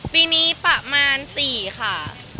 ปีนี้ประมาณ๔ค่ะ